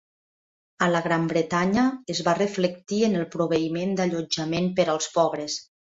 A la Gran Bretanya es va reflectir en el proveïment d'allotjament per als pobres.